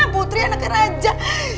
putri anaknya raja